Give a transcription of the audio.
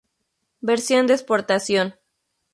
Versión de exportación.